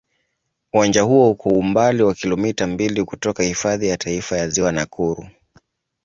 Uwanja huo uko umbali wa kilomita mbili kutoka Hifadhi ya Taifa ya Ziwa Nakuru.